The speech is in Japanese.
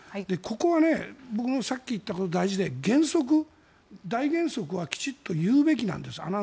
ここはさっき言ったことが大事で原則、大原則はきちんと言うべきなんです。